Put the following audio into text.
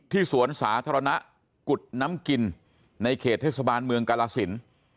สวนสาธารณะกุฎน้ำกินในเขตเทศบาลเมืองกาลสิน